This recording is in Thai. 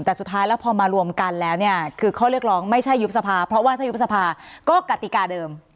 แต่สุดท้ายแล้วพอมารวมกันแล้วเนี่ยคือข้อเรียกร้องไม่ใช่ยุบสภาเพราะว่าถ้ายุบสภาก็กติกาเดิม